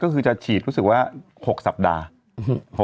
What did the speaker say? ก็คือจะฉีดรู้สึกว่า๖สัปดาห์